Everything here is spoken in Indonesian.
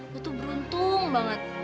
gue tuh beruntung banget